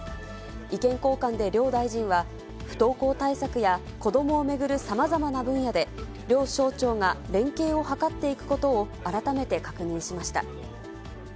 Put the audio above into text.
意見交換で両大臣は、不登校対策や子どもを巡るさまざまな分野で、両省庁が連携を図っていくことを改めて確認しました。